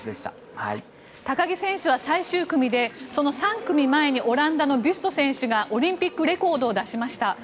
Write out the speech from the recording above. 高木選手は最終組で３組前にオランダのビュスト選手がオリンピックレコードを出しました。